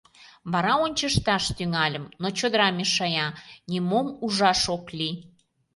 Вара ончышташ тӱҥальым, но чодыра мешая — нимом ужаш ок лий.